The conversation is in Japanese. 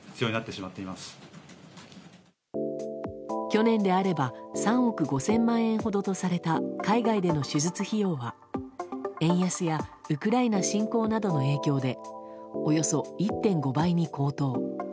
去年であれば３億５０００万円ほどとされた海外での手術費用は円安やウクライナ侵攻などの影響でおよそ１．５倍に高騰。